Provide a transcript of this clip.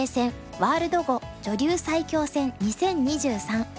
ワールド碁女流最強戦２０２３」。